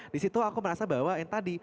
disitu aku merasa bahwa yang tadi